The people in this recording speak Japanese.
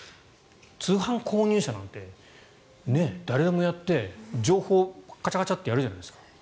通販購入者なんて誰でもやって情報、カチャカチャってやるじゃないですか。